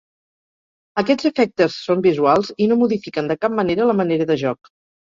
Aquests efectes són visuals i no modifiquen de cap manera la manera de joc.